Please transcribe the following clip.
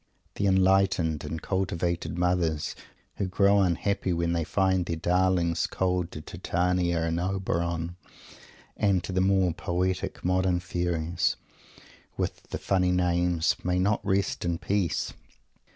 The "enlightened" and cultivated mothers, who grow unhappy when they find their darlings cold to Titania and Oberon and to the more "poetic" modern fairies, with the funny names, may rest in peace.